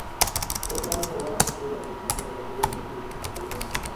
আলোচনা সভা শুরুর আগে স্থানীয় আদিবাসীদের মধ্যে তির-ধনুক প্রতিযোগিতা অনুষ্ঠিত হয়।